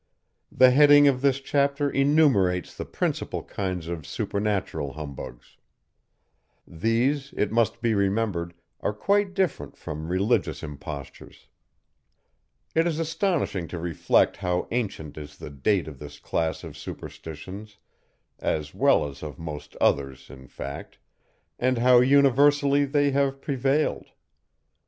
The heading of this chapter enumerates the principal kinds of supernatural humbugs. These, it must be remembered, are quite different from religious impostures. It is astonishing to reflect how ancient is the date of this class of superstitions (as well as of most others, in fact,) and how universally they have prevailed.